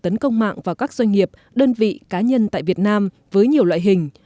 tấn công mạng vào các doanh nghiệp đơn vị cá nhân tại việt nam với nhiều loại hình